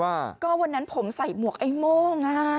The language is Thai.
ว่าก็วันนั้นผมใส่หมวกไอ้โม่ง